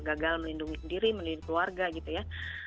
gagal melindungi diri melindungi keluarga gitu ya